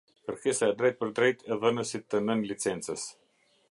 Kërkesa e drejtpërdrejtë e dhënësit të nënlicencës.